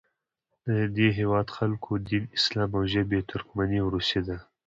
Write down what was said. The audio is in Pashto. د دې هیواد خلکو دین اسلام او ژبه یې ترکمني او روسي ده.